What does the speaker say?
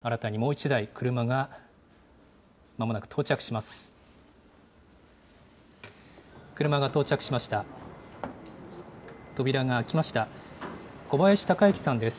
新たにもう１台、車がまもなく到着します。